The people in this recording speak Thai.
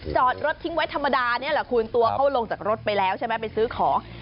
จอดรถทิ้งไว้ธรรมดานี่แหละคุณตัวเขาลงจากรถไปแล้วใช่ไหมไปซื้อของ